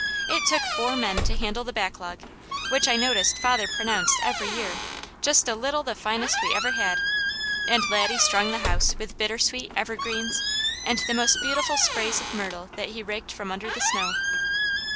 It took four men to handle the backlog, which I noticed father pronounced every year "just a little the finest we ever had," and Laddie strung the house with bittersweet, evergreens, and the most beautiful sprays of myrtle that he raked from under the snow.